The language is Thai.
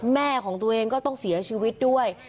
แม่ของตัวเองก็ต้องเสียชีวิตด้วย